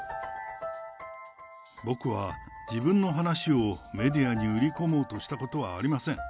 僕は自分の話をメディアに売り込もうとしたことはありません。